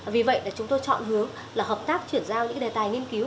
vì vậy chúng tôi chọn hướng là hợp tác chuyển giao những đề tài nghiên cứu